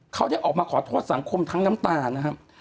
เขาได้ออกมาขอโทษสังคมทั้งน้ำตานะครับ